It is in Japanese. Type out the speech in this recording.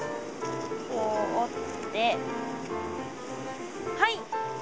こう折ってはい。